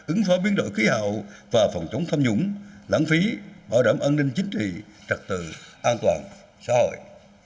ứng phó biến đổi khí hậu và phòng chống tham nhũng lãng phí bảo đảm an ninh chính trị trật tự an toàn xã hội